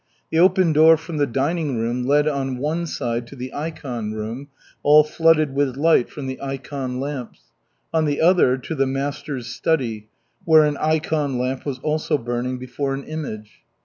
The open door from the dining room led on one side to the ikon room, all flooded with light from the ikon lamps, on the other, to the master's study, where an ikon lamp was also burning before an image.